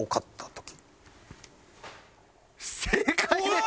正解です！